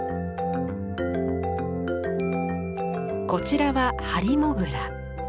こちらはハリモグラ。